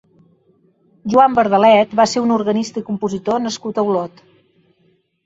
Joan Verdalet va ser un organista i compositor nascut a Olot.